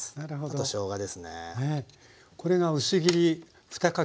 あとしょうがですね。